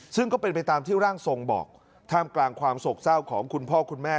ซึ่งก็เป็นไปตามที่ร่างทรงบอกท่ามกลางความโศกเศร้าของคุณพ่อคุณแม่